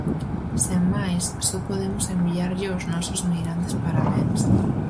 Sen máis, só podemos enviarlle os nosos meirandes parabéns.